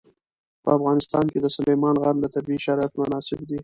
په افغانستان کې د سلیمان غر لپاره طبیعي شرایط مناسب دي.